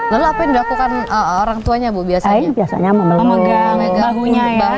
lalu apa yang dilakukan orangtuanya bu biasanya biasanya memegang bahunya ya